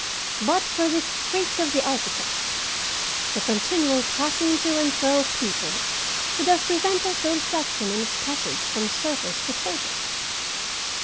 But for this freak of the architect, the continual passing to and fro of people would have prevented the reflection in its passage from surface to surface.